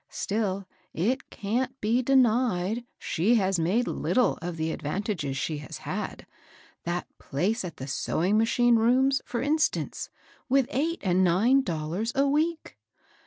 Still it can't be denied she has made littlie of the advantages she has had; that place at the sewing machine rooms, for Ubr stance, with eight and nine dollars a week."